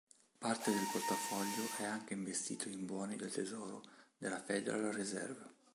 Parte del portafoglio è anche investito in buoni del tesoro della Federal Reserve.